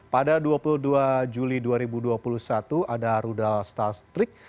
pada dua puluh dua juli dua ribu dua puluh satu ada rudal stars trick